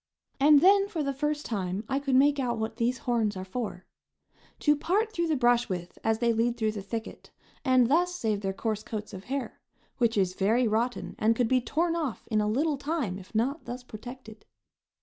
And then for the first time I could make out what these horns are for to part the brush with as they lead through the thicket, and thus save their coarse coats of hair, which is very rotten, and could be torn off in a little time if not thus protected.